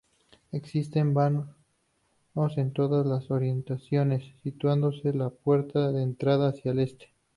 Existen vanos en todas las orientaciones, situándose la puerta de entrada hacia el Este.